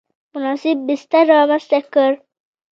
مناسب بستر رامنځته کړ.